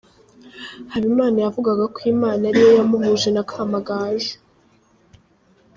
Habimana yavugaga ko Imana ariyo yamuhuje na Kamagaju.